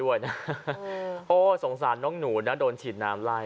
โอ้โหสงสารน้องหนูนะโดนฉีดน้ำไล่